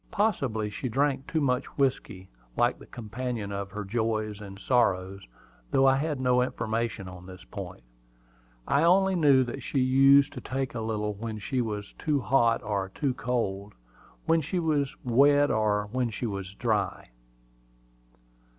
Possibly she drank too much whiskey, like the companion of her joys and sorrows, though I had no information on this point. I only knew that she used to take a little when she was too hot or too cold, when she was wet or when she was dry.